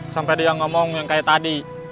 sampai dia ngomong yang kayak tadi